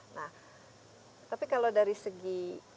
nah tapi kalau dari segi